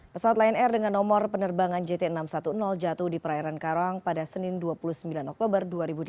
pesawat lion air dengan nomor penerbangan jt enam ratus sepuluh jatuh di perairan karawang pada senin dua puluh sembilan oktober dua ribu delapan belas